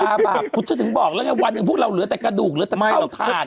ป๊าบาปช่วยถึงบอกแล้วเนี่ยวันนึงพวกเราเหลือแต่กระดูกหรือแต่ข้าวทาน